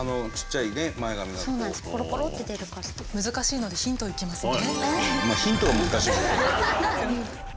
難しいのでヒントいきますね。